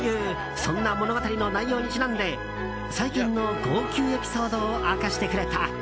そんな物語の内容にちなんで最近の号泣エピソードを明かしてくれた。